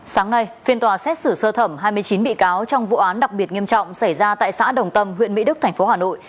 sáng nay phiên tòa xét xử sơ thẩm hai mươi chín bị cáo trong vụ án đặc biệt nghiêm trọng xảy ra tại xã đồng tâm huyện mỹ đức tp hà nội